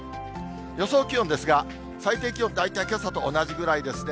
予想気温ですが、最低気温、大体けさと同じぐらいですね。